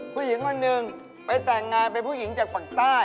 ผู้หญิงคนหนึ่งไปแต่งงานเป็นผู้หญิงจากฝั่งใต้